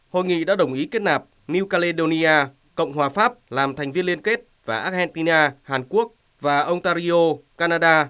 hội nghị đã đồng ý kết nạp new caledonia cộng hòa pháp làm thành viên liên kết và argentina hàn quốc và ông tario canada